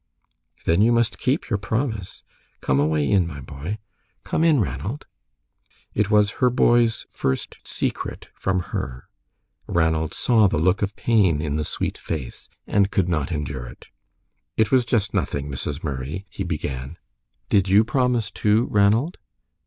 "Then you must keep your promise. Come away in, my boy. Come in, Ranald." It was her boy's first secret from her. Ranald saw the look of pain in the sweet face, and could not endure it. "It was just nothing, Mrs. Murray," he began. "Did you promise, too, Ranald?"